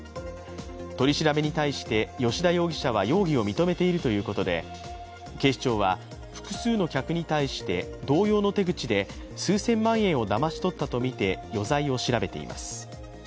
取り調べに対して吉田容疑者は容疑を認めているということで、警視庁は複数の客に対して同様の手口で数千万円をだまし取ったとみて余罪を調べています。